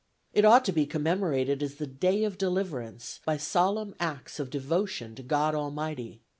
It ought to be commemorated as the day of deliverance, by solemn acts of devotion to God Almighty.